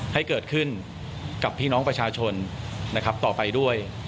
ให้เกิดขึ้นกับพี่น้องประชาชนนะครับต่อไปด้วย